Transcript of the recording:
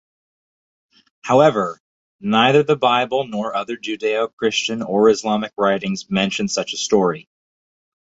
However, neither the Bible nor other Judeo-Christian or Islamic writings mention such a story.